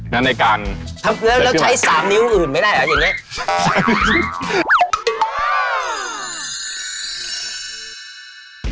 แล้วใช้สามนิ้วอื่นไม่ได้เหรออย่างเงี้ย